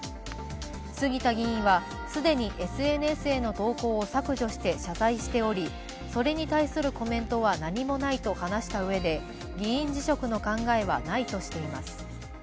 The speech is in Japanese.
杉田議員は既にＳＮＳへの投稿を削除して謝罪しておりそれに対するコメントは何もないと話したうえで議員辞職の考えはないとしています。